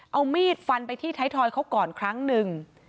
เอามีดฟันไปที่ไทยทอยเขาก่อนครั้งหนึ่ง